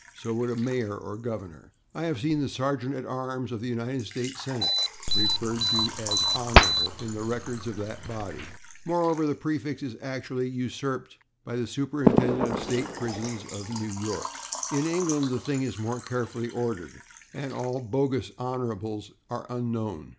So would a mayor or governor. I have seen the sergeant at arms of the United States Senate referred to as /Hon./ in the records of that body. More, the prefix is actually usurped by the Superintendent of State Prisons of New York. In England the thing is more carefully ordered, and bogus /Hons./ are unknown.